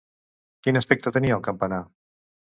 Quin aspecte tenia el campanar?